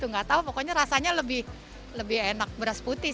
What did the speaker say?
gak tau pokoknya rasanya lebih enak beras putih sih